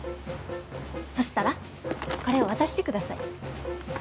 そしたらこれを渡してください。